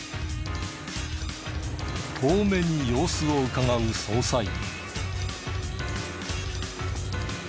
遠目に様子をうかがう捜査員。